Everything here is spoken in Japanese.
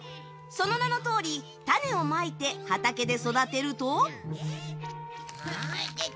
その名のとおり、種をまいて畑で育てると。